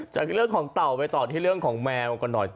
จากเรื่องของเต่าไปต่อที่เรื่องของแมวกันหน่อย